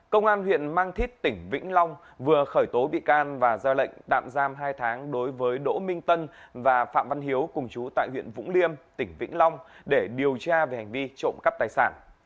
công an huyện mang thít tỉnh vĩnh long vừa khởi tố bị can và ra lệnh tạm giam hai tháng đối với đỗ minh tân và phạm văn hiếu cùng chú tại huyện vũng liêm tỉnh vĩnh long để điều tra về hành vi trộm cắp tài sản